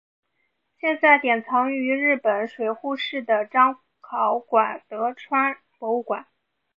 现在典藏于日本水户市的彰考馆德川博物馆。